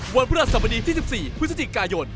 วันพลศรษะบหนี๒๔พฤศจิกายน